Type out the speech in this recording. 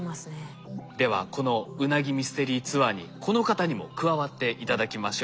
ではこのウナギミステリーツアーにこの方にも加わって頂きましょう。